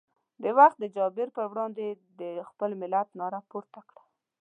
د وخت د جابر پر وړاندې یې د خپل ملت ناره پورته کړه.